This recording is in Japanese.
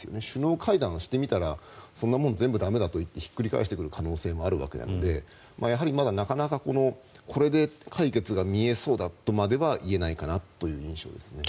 首脳会談をしてみたらそんなもん全部駄目だと言ってひっくり返してくる可能性はあるわけなのでやはりなかなかこれで解決が見えそうだとまでは言えないかなという印象です。